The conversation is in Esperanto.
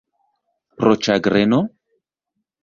Pro ĉagreno?